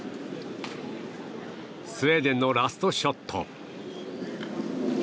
スウェーデンのラストショット。